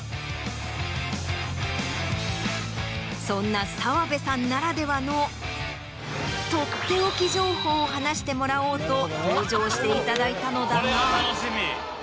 そんな澤部さんならではのとっておき情報を話してもらおうと登場していただいたのだが。